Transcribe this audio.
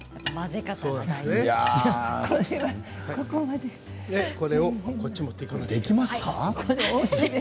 できますか？